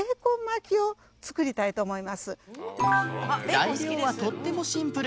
材料はとってもシンプル